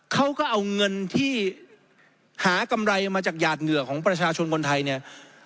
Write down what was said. เขาก็เอาเงินที่หากำไรมาจากหยาดเหงื่อของประชาชนคนไทยเนี่ย